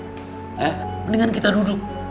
mendingan kita duduk